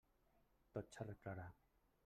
Tot s'arreglarà.